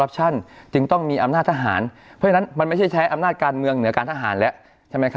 จึงต้องมีอำนาจทหารเพราะฉะนั้นมันไม่ใช่ใช้อำนาจการเมืองเหนือการทหารแล้วใช่ไหมครับ